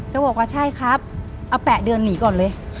ก็บอกว่าใช่ครับเอา๘เดือนหนีก่อนเลย